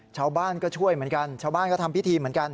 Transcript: ชาวบ้านก็ช่วยเหมือนกันชาวบ้านก็ทำพิธีเหมือนกัน